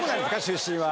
出身は。